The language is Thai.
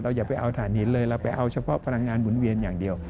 อย่าไปเอาฐานหินเลยเราไปเอาเฉพาะพลังงานหมุนเวียนอย่างเดียว